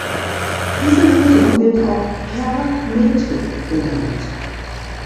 Diese Lösung wird auch Kerr-Metrik genannt.